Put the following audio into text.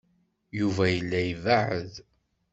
Yuba yella ibeɛɛed.